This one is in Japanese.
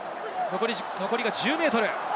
残り１０ｍ。